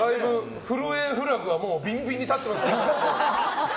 震えフラグがビンビンに立ってますから。